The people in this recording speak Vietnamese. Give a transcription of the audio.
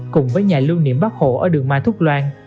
cùng với nhà lưu niệm bác hộ ở đường mai thuốc loan